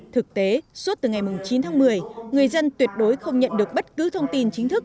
thực tế suốt từ ngày chín tháng một mươi người dân tuyệt đối không nhận được bất cứ thông tin chính thức